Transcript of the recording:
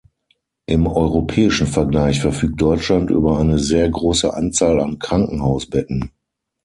Im europäischen Vergleich verfügt Deutschland über eine sehr große Anzahl an Krankenhausbetten.